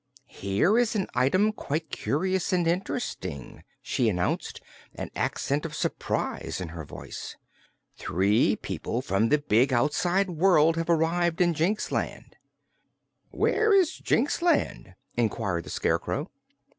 "Here is an item quite curious and interesting," she announced, an accent of surprise in her voice. "Three people from the big Outside World have arrived in Jinxland." "Where is Jinxland?" inquired the Scarecrow.